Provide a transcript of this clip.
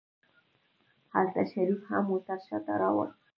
هلته شريف هم موټر شاته راوست.